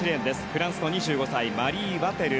フランスの２５歳マリー・ワテル。